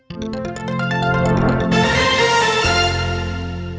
สวัสดีครับ